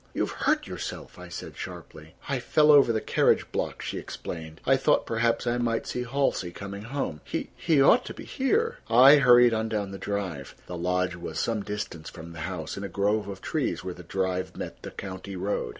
"You have hurt yourself," I said sharply. "I fell over the carriage block," she explained. "I thought perhaps I might see Halsey coming home. He—he ought to be here." I hurried on down the drive. The lodge was some distance from the house, in a grove of trees where the drive met the county road.